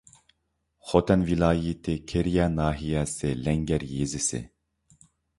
خوتەن ۋىلايىتى كېرىيە ناھىيەسى لەڭگەر يېزىسى